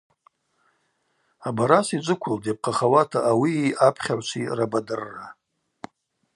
Абараса йджвыквылтӏ йапхъахауата ауии апхьагӏвчви рабадырра.